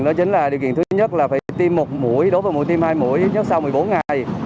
đó chính là điều kiện thứ nhất là phải tiêm một mũi đối với mũi tiêm hai mũi nhất sau một mươi bốn ngày